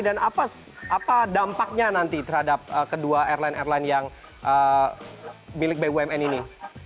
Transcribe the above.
dan apa dampaknya nanti terhadap kedua airline airline yang milik bumn ini